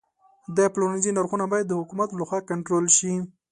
د پلورنځي نرخونه باید د حکومت لخوا کنټرول شي.